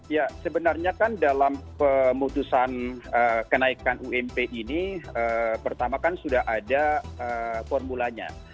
ya sebenarnya kan dalam pemutusan kenaikan ump ini pertama kan sudah ada formulanya